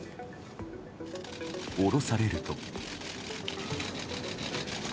降ろされると。